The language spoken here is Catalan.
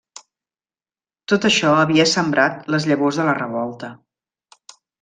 Tot això havia sembrat les llavors de la revolta.